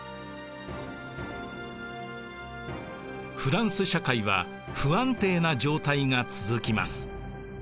フランス社会は不安定な状態が続きます。